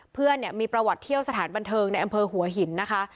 เพื่อนเนี่ยมีประวัติเที่ยวสถานบันเทิงในอำเภอหัวหินนะคะ